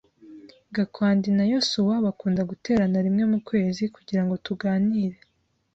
Gakwandi na Yosuwa bakunda guterana rimwe mu kwezi kugirango tuganire.